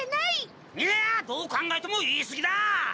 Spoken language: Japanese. いやどう考えても言いすぎだ！